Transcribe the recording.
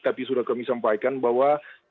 tapi sudah kami sampaikan bahwa